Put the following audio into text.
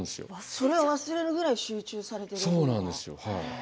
それは忘れるぐらい集中されてるというか。